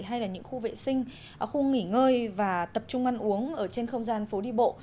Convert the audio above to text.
hay là những khu vệ sinh khu nghỉ ngơi và tập trung ăn uống ở trên không gian phố đi bộ